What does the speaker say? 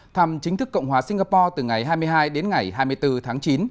thăm chính thức cộng hòa singapore từ ngày hai mươi hai đến ngày hai mươi bốn tháng chín